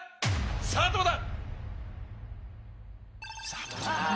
⁉さぁどうだ？